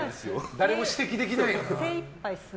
誰も指摘できない。